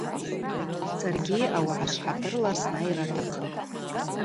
Саргьи аунагӏва швхӏатырла снайра атахъыпӏ.